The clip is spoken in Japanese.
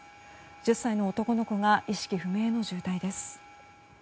１０歳の男の子が意識不明の重体です。